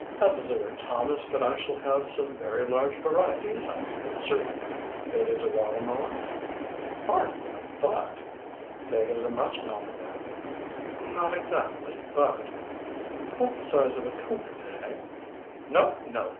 "Absurd, Thomas! But I shall have some very large varieties, I feel certain." "Big as a watermelon?" "Hardly, but " "Big as a muskmelon, then?" "Not exactly, but " "About the size of a cocoanut, eh?" "No! no!